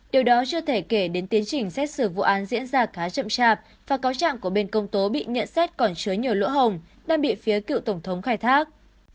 điều đó chưa thể kể đến tiến trình xét xử vụ án diễn ra khá chậm chạp và cáo trạng của bên công tố bị nhận xét còn chứa nhiều lỗ hồng đang bị phía cựu tổng thống khai thác